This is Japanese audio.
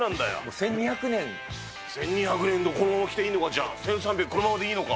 １２００、このままでいいのか、１３００年、このままでいいのか。